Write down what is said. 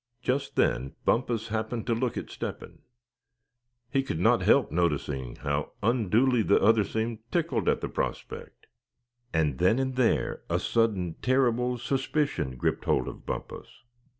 Just then Bumpus happened to look at Step hen. He could not help noticing how unduly the other seemed tickled at the prospect. And then and there a sudden terrible suspicion gripped hold of Bumpus.